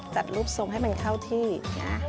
จัดรูปทรงให้มันเข้าที่นะ